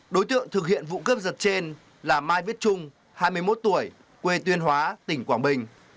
đối tượng thực hiện vụ cướp giật trên là mai viết trung hai mươi một tuổi quê tuyên hóa tỉnh quảng bình